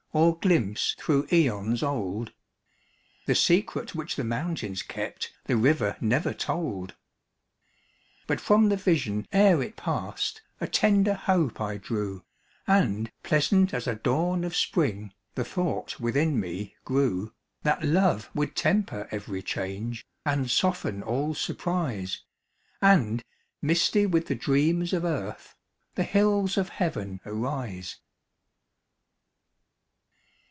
Or glimpse through aeons old? The secret which the mountains kept The river never told. But from the vision ere it passed A tender hope I drew, And, pleasant as a dawn of spring, The thought within me grew, That love would temper every change, And soften all surprise, And, misty with the dreams of earth, The hills of Heaven arise.